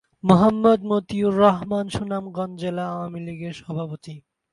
মোহাম্মদ মতিউর রহমান সুনামগঞ্জ জেলা আওয়ামী লীগের সভাপতি।